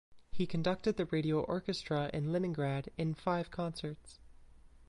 He conducted the radio orchestra in Leningrad in five concerts.